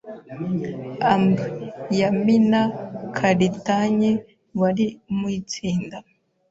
Amb Yamina Karitanyi wari mu itsinda